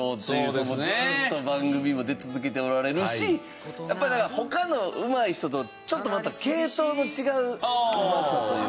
ずーっと番組も出続けておられるしやっぱりなんか他のうまい人とちょっとまた系統の違ううまさというか。